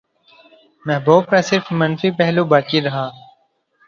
محبوب کا صرف صنفی پہلو باقی رہا